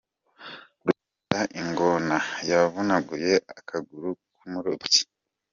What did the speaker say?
Bugesera Ingona yavunaguye akaguru k’umurobyi